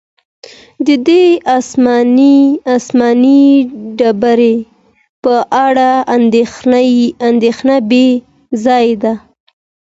د دې آسماني ډبرې په اړه اندېښنه بې ځایه ده.